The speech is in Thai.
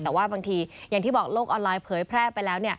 แต่ว่าบางทีอย่างที่บอกโลกออนไลน์เผยแพร่ไปแล้ว